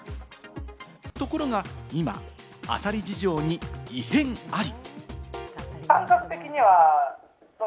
ところが今、アサリ事情に異変あり。